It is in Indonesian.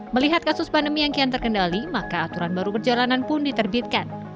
melihat kasus pandemi yang kian terkendali maka aturan baru perjalanan pun diterbitkan